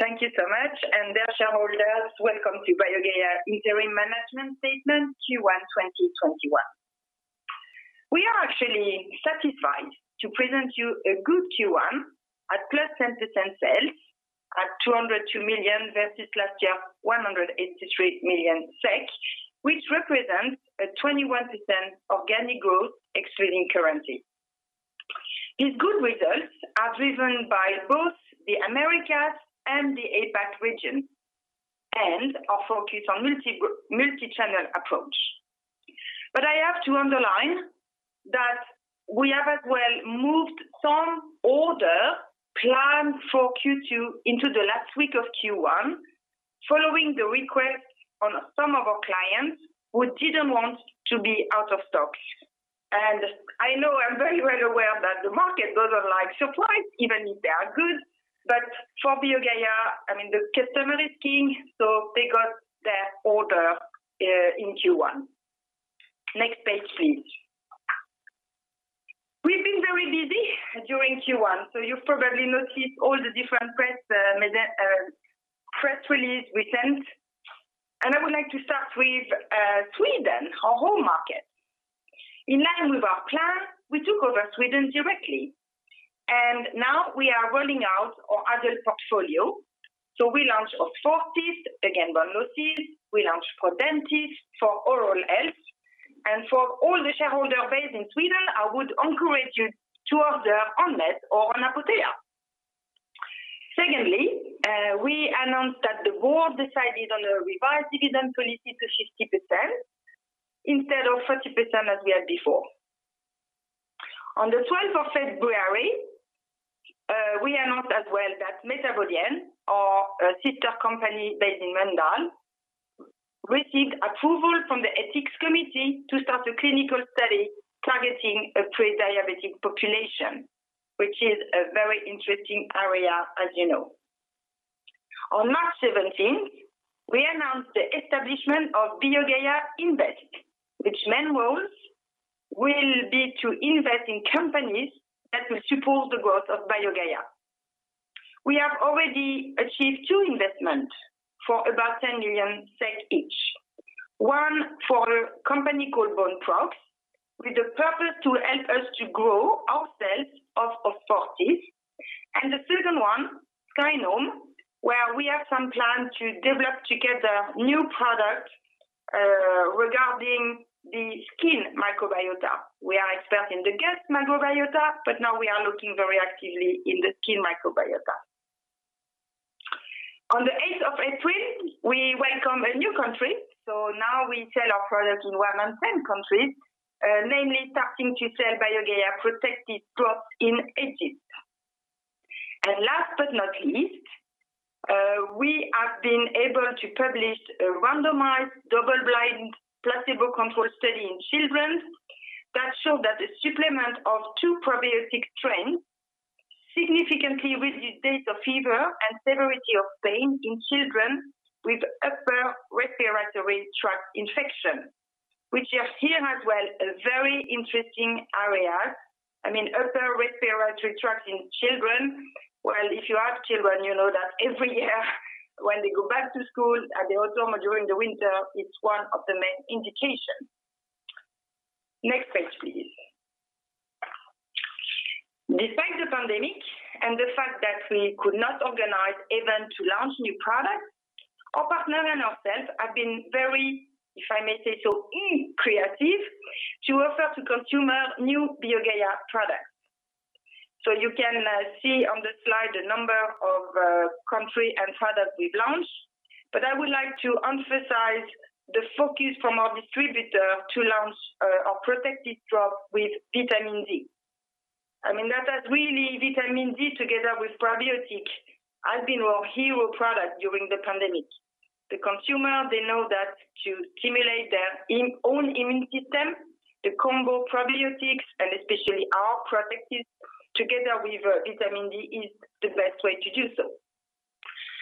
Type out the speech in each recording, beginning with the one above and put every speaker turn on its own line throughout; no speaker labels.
Thank you so much. Dear shareholders, welcome to BioGaia Interim Management Statement Q1 2021. We are actually satisfied to present you a good Q1 at +10% sales, at 202 million, versus last year 183 million SEK, which represents a 21% organic growth excluding currency. These good results are driven by both the Americas and the APAC region, and our focus on multi-channel approach. I have to underline that we have as well moved some order planned for Q2 into the last week of Q1 following the request on some of our clients who didn't want to be out of stock. I know, I'm very well aware that the market doesn't like supplies even if they are good, but for BioGaia, the customer is king, so they got their order in Q1. Next page, please. We've been very busy during Q1. You've probably noticed all the different press release we sent. I would like to start with Sweden, our home market. In line with our plan, we took over Sweden directly. Now we are rolling out our adult portfolio. We launched Osfortis, again, bone health. We launched ProDentis for oral health. For all the shareholder base in Sweden, I would encourage you to order on net or on Apotea. Secondly, we announced that the board decided on a revised dividend policy to 50% instead of 30% as we had before. On the 12th of February, we announced as well that MetaboGen, our sister company based in Lund, received approval from the ethics committee to start a clinical study targeting a pre-diabetic population, which is a very interesting area as you know. On March 17th, we announced the establishment of BioGaia Invest, which main roles will be to invest in companies that will support the growth of BioGaia. We have already achieved two investment for about 10 million SEK each. One for a company called Boneprox, with the purpose to help us to grow our sales of Osfortis. The second one, Skinome, where we have some plan to develop together new product, regarding the skin microbiota. We are expert in the gut microbiota, but now we are looking very actively in the skin microbiota. On the 8th of April, we welcome a new country. Now we sell our products in 110 countries, namely starting to sell BioGaia Protectis drops in Egypt. Last but not least, we have been able to publish a randomized double-blind placebo-controlled study in children that show that a supplement of two probiotic strains significantly reduced days of fever and severity of pain in children with upper respiratory tract infection, which is here as well, a very interesting area. Upper respiratory tract in children. Well, if you have children, you know that every year when they go back to school at the autumn or during the winter, it's one of the main indications. Next page, please. Despite the pandemic and the fact that we could not organize event to launch new products, our partner and ourselves have been very, if I may say so, creative to offer to consumer new BioGaia products. You can see on the slide the number of countries and product we launched, I would like to emphasize the focus from our distributor to launch our BioGaia Protectis drops with vitamin D. That has really, vitamin D together with probiotic, has been our hero product during the pandemic. The consumer, they know that to stimulate their own immune system, the combo probiotics and especially our Protectis together with vitamin D is the best way to do so.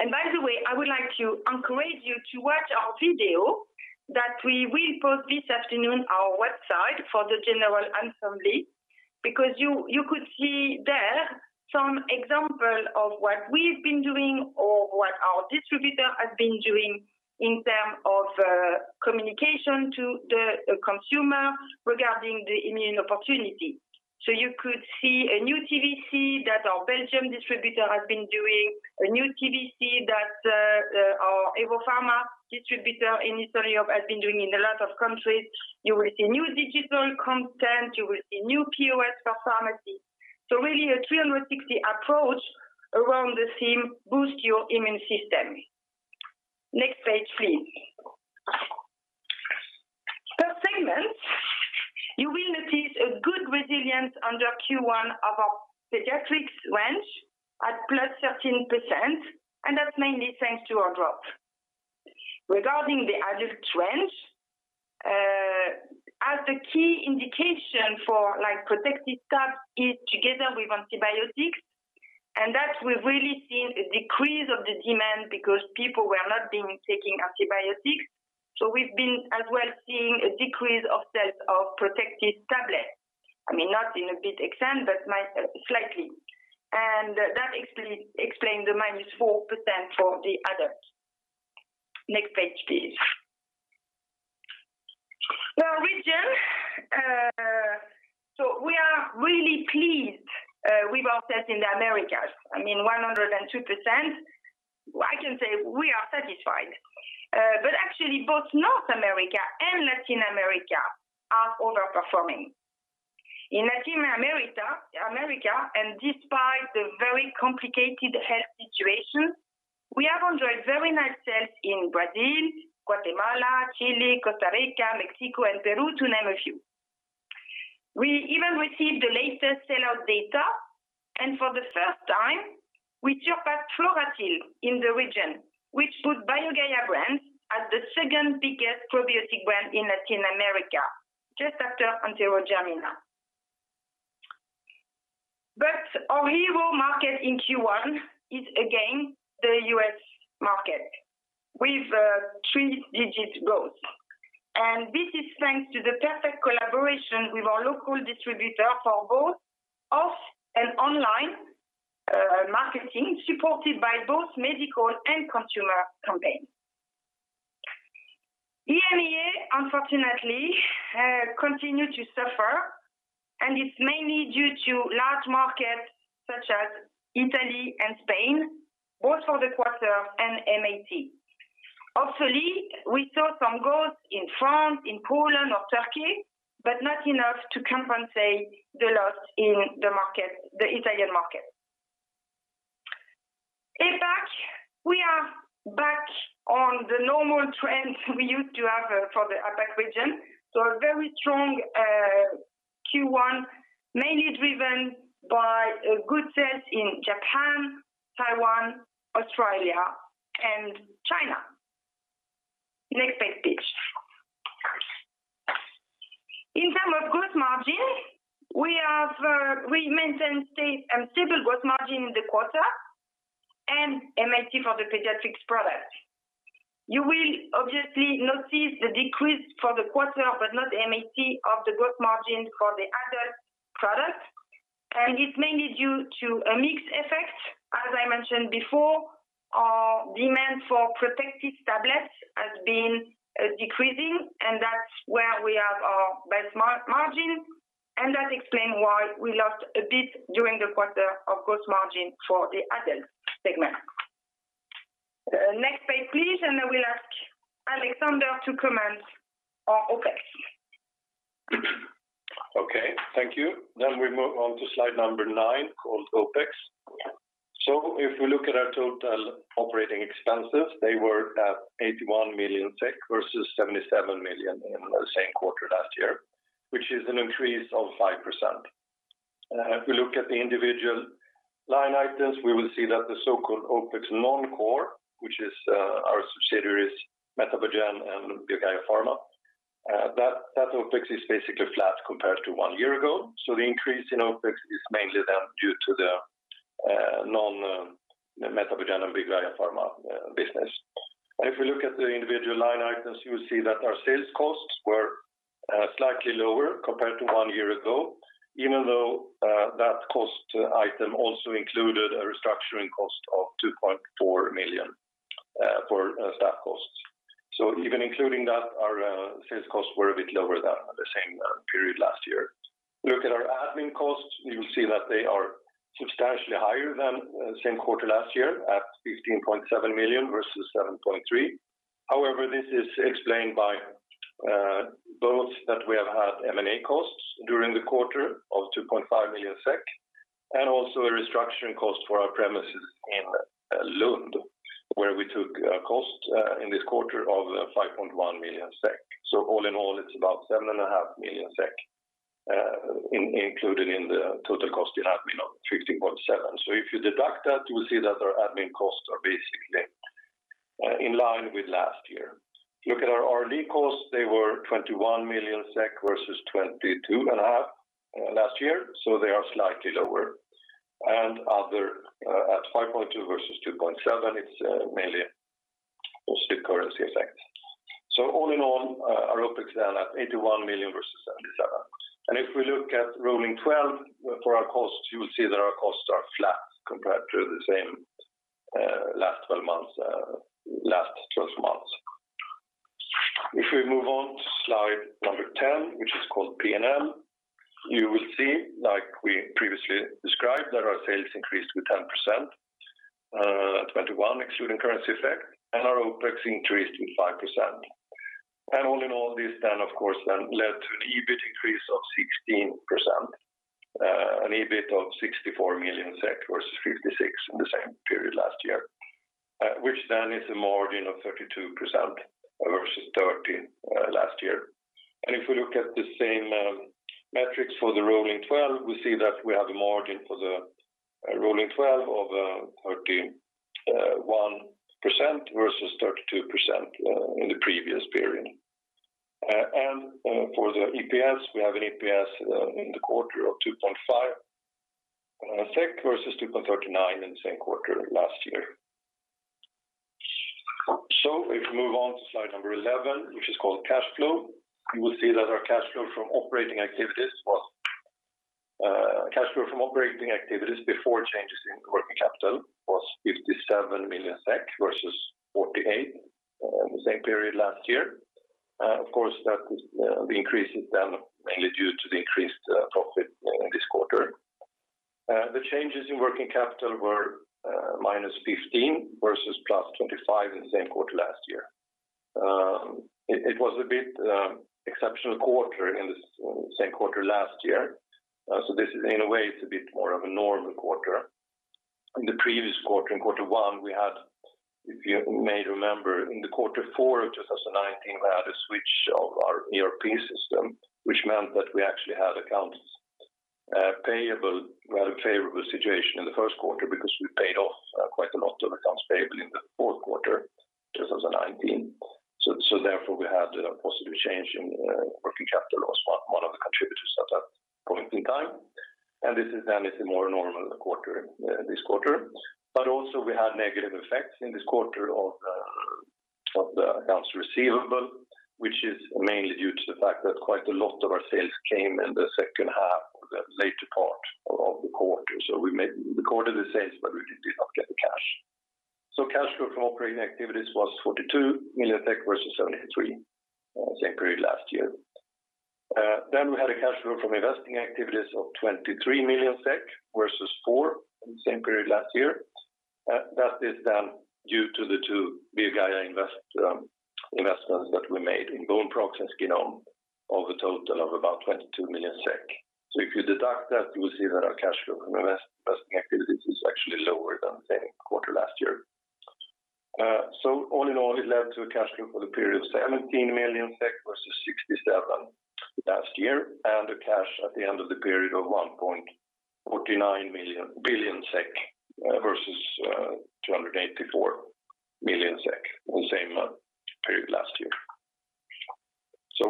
By the way, I would like to encourage you to watch our video that we will post this afternoon our website for the general assembly, because you could see there some example of what we've been doing or what our distributor has been doing in terms of communication to the consumer regarding the immune opportunity. You could see a new TVC that our Belgium distributor has been doing, a new TVC that our Ewopharma distributor in Israel has been doing in a lot of countries. You will see new digital content, you will see new POS for pharmacy. Really a 360 approach around the theme, "Boost your immune system." Next page, please. Per segment, you will notice a good resilience under Q1 of our pediatrics range at +13%, and that's mainly thanks to our drop. Regarding the adult range, as the key indication for Protectis tablets is together with antibiotics, and that we've really seen a decrease of the demand because people were not being taking antibiotics. We've been as well seeing a decrease of sales of Protectis tablet. Not in a big extent, but slightly. That explains the -4% for the adults. Next page, please. Now region. We are really pleased with our sales in the Americas. 102%, I can say we are satisfied. Actually, both North America and Latin America are over-performing. In Latin America, despite the very complicated health situation, we have enjoyed very nice sales in Brazil, Guatemala, Chile, Costa Rica, Mexico, and Peru, to name a few. We even received the latest sell-out data, for the first time, we surpassed Floratil in the region, which put BioGaia brands as the second biggest probiotic brand in Latin America, just after Enterogermina. Our hero market in Q1 is again the U.S. market, with three-digit growth. This is thanks to the perfect collaboration with our local distributor for both off and online marketing, supported by both medical and consumer campaigns. EMEA, unfortunately, continue to suffer, and it's mainly due to large markets such as Italy and Spain, both for the quarter and MAT. Hopefully, we saw some growth in France, in Poland or Turkey, but not enough to compensate the loss in the Italian market. APAC, we are back on the normal trend we used to have for the APAC region. A very strong Q1, mainly driven by good sales in Japan, Taiwan, Australia, and China. Next page, please. In term of gross margin, we maintained stable gross margin in the quarter and MAT for the pediatrics product. You will obviously notice the decrease for the quarter but not MAT of the gross margin for the adult product. It's mainly due to a mix effect. As I mentioned before, our demand for BioGaia Protectis tablets has been decreasing, and that's where we have our best margin, and that explains why we lost a bit during the quarter of gross margin for the adult segment. Next page, please, and I will ask Alexander to comment on OpEx.
Okay, thank you. We move on to slide number nine, called OpEx. If we look at our total operating expenses, they were at 81 million versus 77 million in the same quarter last year, which is an increase of 5%. If we look at the individual line items, we will see that the so-called OpEx non-core, which is our subsidiaries, MetaboGen and BioGaia Pharma, that OpEx is basically flat compared to one year ago. The increase in OpEx is mainly due to the non-MetaboGen and BioGaia Pharma business. If we look at the individual line items, you will see that our sales costs were slightly lower compared to one year ago, even though that cost item also included a restructuring cost of 2.4 million for staff costs. Even including that, our sales costs were a bit lower than the same period last year. Look at our admin costs, you will see that they are substantially higher than same quarter last year, at 15.7 million versus 7.3. However, this is explained by both that we have had M&A costs during the quarter of 2.5 million SEK and also a restructuring cost for our premises in Lund, where we took a cost in this quarter of 5.1 million SEK. All in all, it's about 7.5 million SEK included in the total cost in admin of 15.7. If you deduct that, you will see that our admin costs are basically in line with last year. Look at our R&D costs. They were 21 million SEK versus 22.5 million last year, so they are slightly lower. Other, at 5.2 million versus 2.7 million, it's mainly positive currency effect. All in all, our OpEx are at 81 million versus 77 million. If we look at rolling 12 for our costs, you will see that our costs are flat compared to the same last 12 months. If we move on to slide 10, which is called P&L, you will see, like we previously described, that our sales increased to 10%, 21% excluding currency effect, and our OpEx increased to 5%. All in all, this then, of course, then led to an EBIT increase of 16%, an EBIT of 64 million SEK versus 56 million in the same period last year, which then is a margin of 32% versus 13% last year. If we look at the same metrics for the rolling 12, we see that we have a margin for the rolling 12 of 31% versus 32% in the previous period. For the EPS, we have an EPS in the quarter of 2.5 versus 2.39 in the same quarter last year. If we move on to slide number 11, which is called cash flow, you will see that our cash flow from operating activities before changes in working capital was 57 million SEK versus 48 million on the same period last year. Of course, the increase is mainly due to the increased profit in this quarter. The changes in working capital were minus 15 versus plus 25 in the same quarter last year. It was a bit exceptional quarter in the same quarter last year. This is, in a way, it's a bit more of a normal quarter. In the previous quarter, in quarter one, we had, if you may remember, in the quarter four of 2019, we had a switch of our ERP system, which meant that we actually had accounts payable. We had a favorable situation in the first quarter because we paid off quite a lot of accounts payable in the fourth quarter 2019. Therefore, we had a positive change in working capital was one of the contributors at that point in time. This is then it's a more normal quarter this quarter. Also, we had negative effects in this quarter of the accounts receivable, which is mainly due to the fact that quite a lot of our sales came in the second half or the later part of the quarter. We made recorded the sales, but we did not get the cash. Cash flow from operating activities was 42 million SEK versus 73 million same period last year. We had a cash flow from investing activities of 23 million SEK versus 4 million in the same period last year. That is then due to the two BioGaia investments that we made in Boneprox and Skinome of a total of about 22 million SEK. If you deduct that, you will see that our cash flow from investing activities is actually lower than the same quarter last year. All in all, it led to a cash flow for the period 17 million SEK versus 67 million last year, and a cash at the end of the period of 1.49 billion SEK versus 284 million SEK in the same period last year.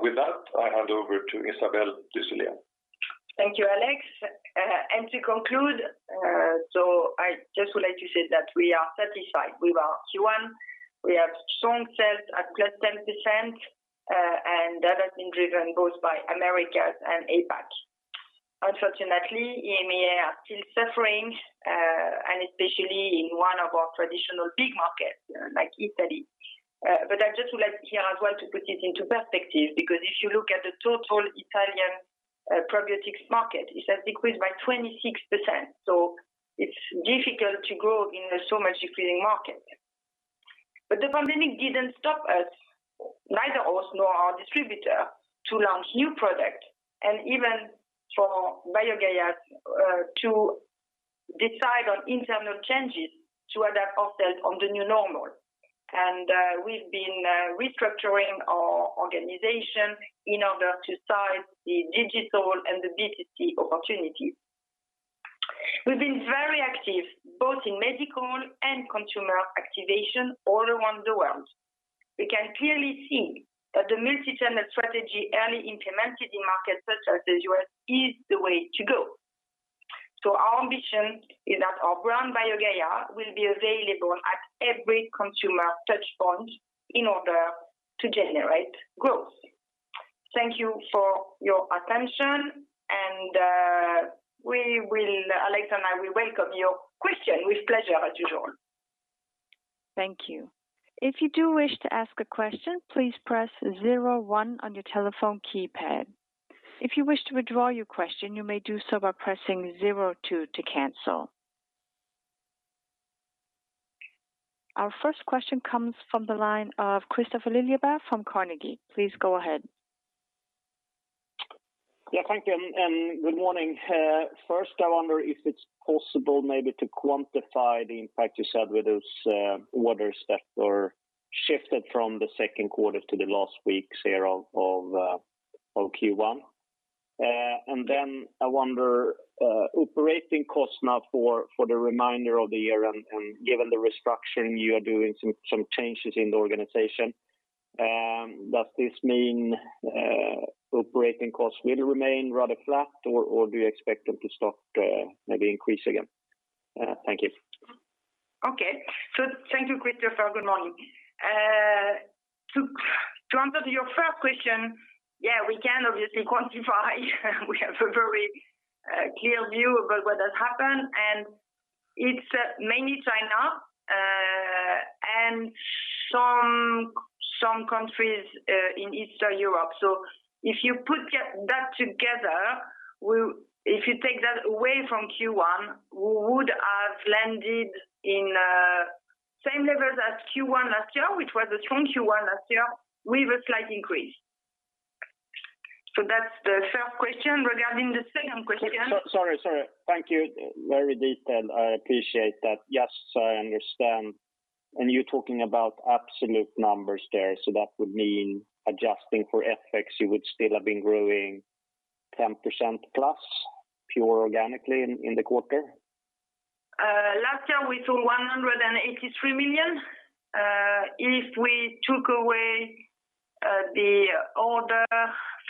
With that, I hand over to Isabelle Ducellier.
Thank you, Alex. To conclude, I just would like to say that we are satisfied with our Q1. We have strong sales at plus 10%, and that has been driven both by Americas and APAC. Unfortunately, EMEA are still suffering, and especially in one of our traditional big markets like Italy. I'd just like here as well to put it into perspective, because if you look at the total Italian probiotics market, it has decreased by 26%. It's difficult to grow in a so much decreasing market. The pandemic didn't stop us, neither us nor our distributor, to launch new product, and even for BioGaia to decide on internal changes to adapt ourselves on the new normal. We've been restructuring our organization in order to size the digital and the B2C opportunity. We've been very active both in medical and consumer activation all around the world. We can clearly see that the multi-channel strategy early implemented in markets such as the U.S. is the way to go. Our ambition is that our brand, BioGaia, will be available at every consumer touch point in order to generate growth. Thank you for your attention. Alex and I will welcome your question with pleasure as usual.
Thank you. If you do wish to ask a question, please press zero one on your telephone keypad. If you wish to withdraw your question, you may do so by pressing zero two to cancel. Our first question comes from the line of Kristofer Liljeberg from Carnegie. Please go ahead.
Thank you, and good morning. I wonder if it's possible maybe to quantify the impact you said with those orders that were shifted from the second quarter to the last weeks here of Q1. I wonder operating costs now for the remainder of the year and given the restructuring you are doing some changes in the organization, does this mean operating costs will remain rather flat or do you expect them to start maybe increase again? Thank you.
Okay. Thank you, Kristofer. Good morning. To answer your first question, yeah, we can obviously quantify. We have a very clear view about what has happened, and it's mainly China, and some countries in Eastern Europe. If you put that together, if you take that away from Q1, we would have landed in same level as Q1 last year, which was a strong Q1 last year with a slight increase. That's the first question. Regarding the second question.
Sorry. Thank you. Very detailed. I appreciate that. Yes, I understand. You're talking about absolute numbers there. That would mean adjusting for FX, you would still have been growing 10% plus pure organically in the quarter?
Last year we took 183 million. If we took away the order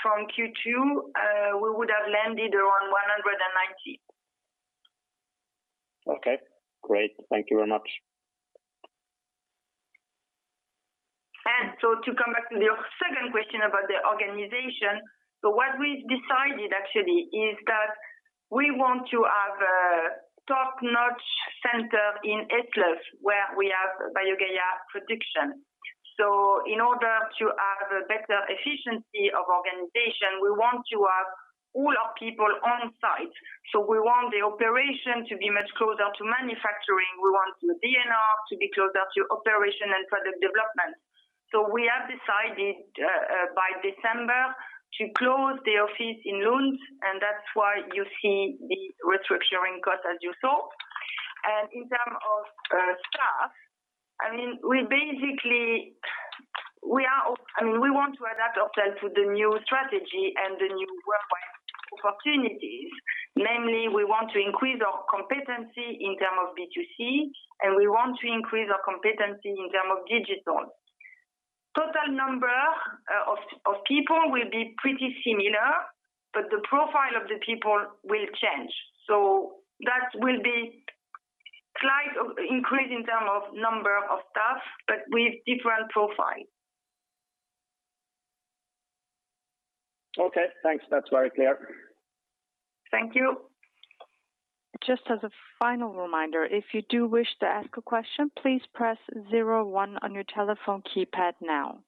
from Q2, we would have landed around 190 million.
Okay, great. Thank you very much.
To come back to your second question about the organization. What we've decided actually is that we want to have a top-notch center in Eslöv, where we have BioGaia production. In order to have a better efficiency of organization, we want to have all our people on-site. We want the operation to be much closer to manufacturing. We want the R&D to be closer to operation and product development. We have decided, by December, to close the office in Lund, and that's why you see the restructuring cost as you saw. In term of staff, we want to adapt ourselves to the new strategy and the new workplace opportunities. Namely, we want to increase our competency in term of B2C, and we want to increase our competency in term of digital. Total number of people will be pretty similar, but the profile of the people will change. That will be slight increase in terms of number of staff, but with different profile.
Okay, thanks. That's very clear.
Thank you.
Just as a final reminder, if you do wish to ask a question, please press zero one on your telephone keypad now.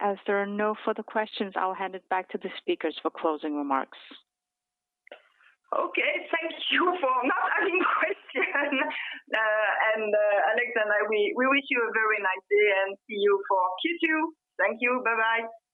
As there are no further questions, I'll hand it back to the speakers for closing remarks.
Okay. Thank you for not having questions. Alex and I, we wish you a very nice day and see you for Q2. Thank you. Bye-bye.